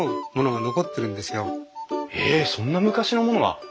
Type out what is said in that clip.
えそんな昔のものが！